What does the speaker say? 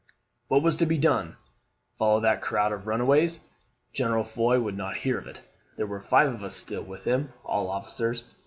"What was to be done? Follow that crowd of runaways? General Foy would not hear of it. There were five of us still with him, all officers.